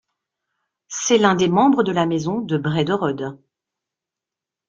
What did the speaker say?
C'est l'un des membres de la Maison de Brederode.